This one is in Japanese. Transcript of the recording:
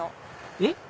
えっ？